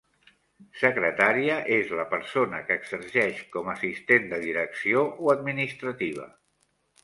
Secretària és la persona que exerceix com assistent de direcció o administrativa.